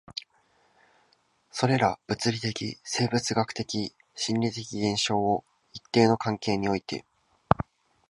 それら物理的、生物学的、心理的現象を一定の関係において